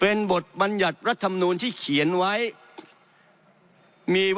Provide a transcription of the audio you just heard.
เป็นบทบัญญัติรัฐมนูลที่เขียนไว้มี